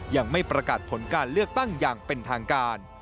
ยังไม่ประกาศผลการเลือกตั้งอย่างเป็นทางการ